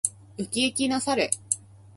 ウキウキな猿。